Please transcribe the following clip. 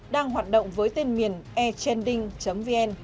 đang hoạt động với tên miền e chending vn